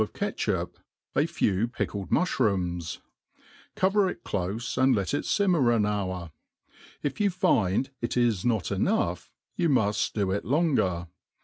of catchup,' a few pickled mufhrootns ; cover it ciofe, and let it fioimer an hour. If you find it is not enough^ you muft d6 it longer.